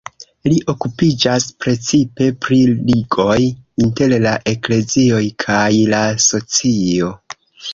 Li okupiĝas precipe pri ligoj inter la eklezioj kaj la socio.